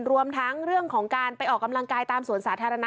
รวมทั้งเรื่องของการไปออกกำลังกายตามสวนสาธารณะ